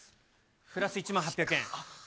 プラス１万８００円。